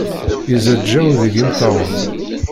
Yeẓaǧǧaw deg imeṭṭawen.